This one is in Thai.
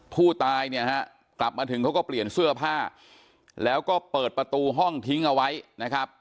ผู้ตายเนี่ยฮะกลับมาถึงเขาก็เปลี่ยนเสื้อผ้าแล้วก็เปิดประตูห้องทิ้งเอาไว้นะครับ